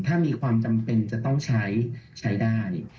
ถ้ามีความจำเป็นจะต้องใช้ใช้ได้